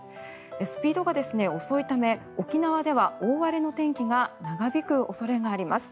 スピードが遅いため沖縄では、大荒れの天気が長引く恐れがあります。